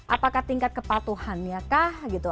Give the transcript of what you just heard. apakah tingkat kepatuhannya kah gitu